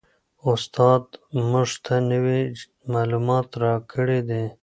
استاد موږ ته نوي معلومات راکړي دي.